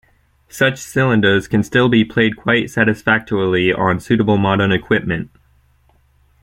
Such cylinders can still be played quite satisfactorily on suitable modern equipment.